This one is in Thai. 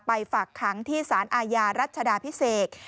ฝากขังที่สารอาญารัชดาพิเศษ